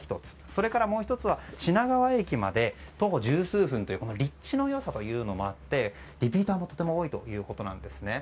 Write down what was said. それから、もう１つは品川駅まで徒歩十数分という立地の良さもあってリピーターもとても多いということです。